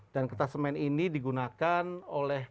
dan kertas semen ini digunakan oleh